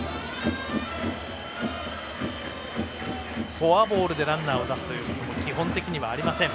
フォアボールでランナーを出すということも基本的にはありません。